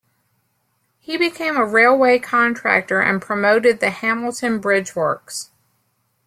He became a railway contractor and promoted the Hamilton Bridge Works.